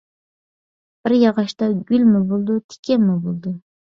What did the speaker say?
بىر ياغاچتا گۈلمۇ بولىدۇ، تىكەنمۇ بولىدۇ.